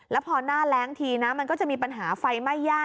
แล้วพอหน้าแรงทีนะมันก็จะมีปัญหาไฟไหม้ย่า